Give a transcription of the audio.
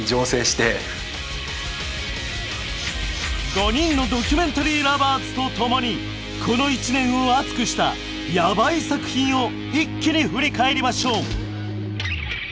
５人のドキュメンタリー・ラヴァーズと共にこの１年を熱くしたヤバい作品を一気に振り返りましょう。